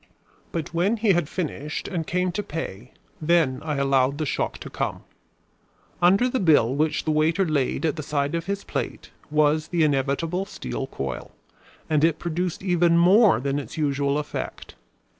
But when he had finished; and came to pay, then I allowed the shock to come. Under the bill which the waiter laid at the side of his plate was the inevitable steel coil; and it produced even more than its usual effect.